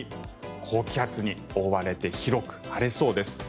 高気圧に覆われて広く晴れそうです。